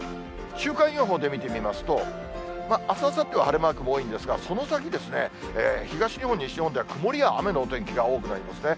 週間予報で見てみますと、あす、あさっては晴れマークも多いんですが、その先ですね、東日本、西日本では曇りや雨のお天気が多くなりますね。